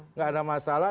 enggak ada masalah